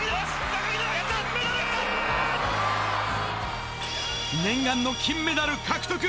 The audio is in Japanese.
高木菜念願の金メダル獲得。